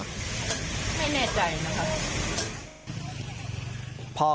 ไม่แน่ใจนะครับ